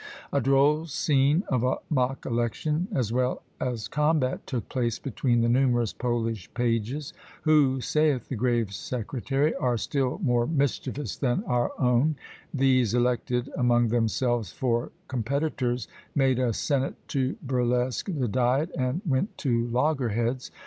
A droll scene of a mock election, as well as combat, took place between the numerous Polish pages, who, saith the grave secretary, are still more mischievous than our own: these elected among themselves four competitors, made a senate to burlesque the diet, and went to loggerheads.